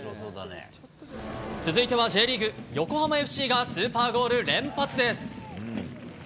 続いては、Ｊリーグ。横浜ＦＣがスーパーゴール連発です！